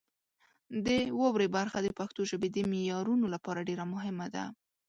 د واورئ برخه د پښتو ژبې د معیارونو لپاره ډېره مهمه ده.